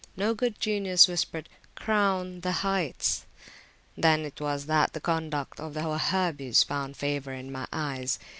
No good genius whispered Crown the heights. Then it was that the conduct of the Wahhabis found favour in my eyes.